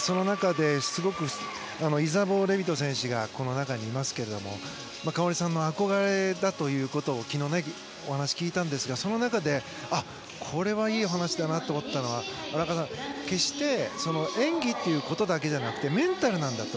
その中でイザボー・レビト選手がこの中にいますけれども花織さんの憧れだということを昨日、お話を聞いたんですがその中で、これはいい話だなと思ったのは決して演技だけじゃなくてメンタルなんだと。